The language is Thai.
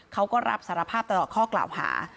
เขาก็รับสารภาพตลอดข้อกล่าวหา